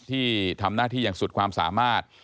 ที่ทำหน้าที่อย่างสุดความสามารถ